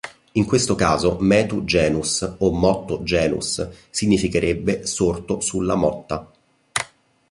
In questo caso "Metu-genus" o "Mottu-genus" significherebbe "sorto sulla motta".